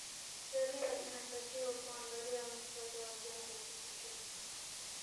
sheria inatakiwa kuangalia muktadha wa jambo kutokea